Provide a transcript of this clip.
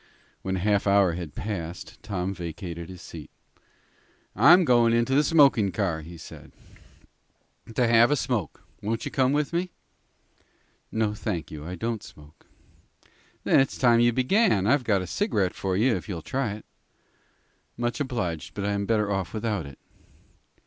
When half an hour had passed, Tom vacated his seat. "I'm going into the smoking car," he said, "to have a smoke. Won't you come with me?" "No, thank you. I don't smoke." "Then it's time you began. I've got a cigarette for you, if you'll try it." "Much obliged, but I am better off without it."